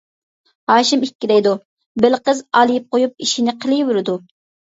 ھاشىم: ئىككى دەيدۇ، بېلىقىز ئالىيىپ قويۇپ ئىشىنى قىلىۋېرىدۇ.